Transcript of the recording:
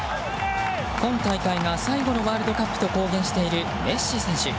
今大会が最後のワールドカップと公言しているメッシ選手。